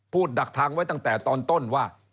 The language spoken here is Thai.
ดักทางไว้ตั้งแต่ตอนต้นว่า